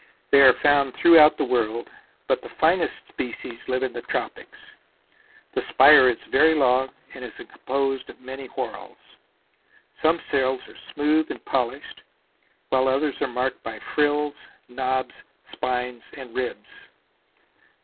They are found throughout the world but the finest species live in the tropics. The spire is very long and is composed of many whorls. Some shells are smooth and polished, while others are marked by frills, knobs, spines and ribs.